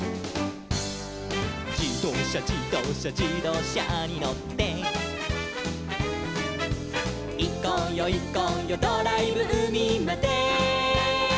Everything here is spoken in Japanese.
「じどうしゃじどうしゃじどうしゃにのって」「いこうよいこうよドライブうみまで」